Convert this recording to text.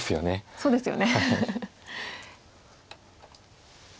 そうですよね。